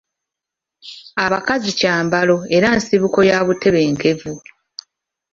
Abakazi kyambalo era nsibuko ya butebenkevu.